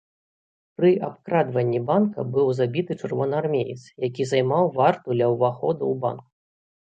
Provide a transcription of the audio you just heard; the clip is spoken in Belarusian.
Пры абкрадванні банка быў забіты чырвонаармеец, які займаў варту ля ўвахода ў банк.